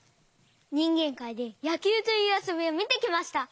にんげんかいで「やきゅう」というあそびをみてきました！